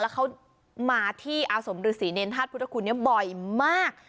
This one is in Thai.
แล้วเขามาที่อาสมฤษีเนรธาตุพุทธคุณบ่อยมาก